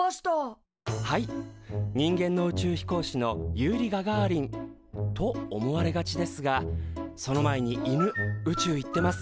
はい人間の宇宙飛行士のユーリ・ガガーリンと思われがちですがその前に犬宇宙行ってます。